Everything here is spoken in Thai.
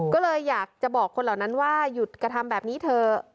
ก็เลยอยากจะบอกคนเหล่านั้นว่าหยุดกระทำแบบนี้เถอะ